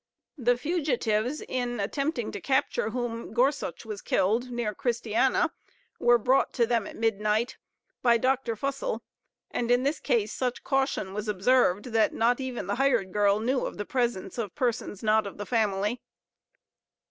The fugitives, in attempting to capture whom, Gorsuch was killed, near Christiana, were brought to them at midnight, by Dr. Fussell; and in this case such caution was observed, that not even the hired girl knew of the presence of persons not of the family.